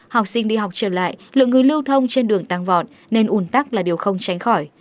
học sinh đi học trở lại lượng người lưu thông trên đường tăng vọt nên ủn tắc là điều không tránh khỏi